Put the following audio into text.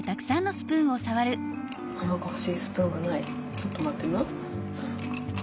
ちょっと待ってな。